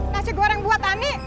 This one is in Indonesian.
nasi goreng buat ani